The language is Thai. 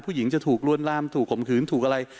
ผู้หญิงจะถูกลวนลามถูกข่มขืนถูกอะไร